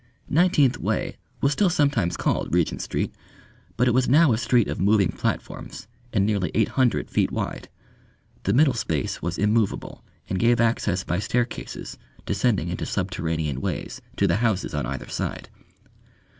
Nineteenth Way was still sometimes called Regent Street, but it was now a street of moving platforms and nearly eight hundred feet wide. The middle space was immovable and gave access by staircases descending into subterranean ways to the houses on either side.